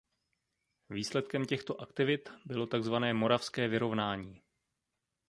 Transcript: Výsledkem těchto aktivit bylo takzvané Moravské vyrovnání.